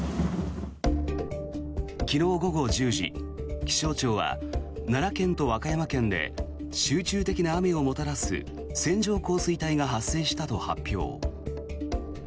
昨日午後１０時、気象庁は奈良県と和歌山県で集中的な雨をもたらす線状降水帯が発生したと発表。